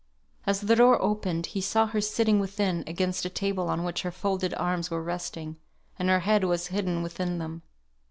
As the door opened he saw her sitting within, against a table on which her folded arms were resting, and her head was hidden within them.